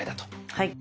はい。